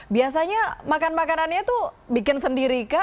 biasanya makan makanannya tuh bikin sendirikah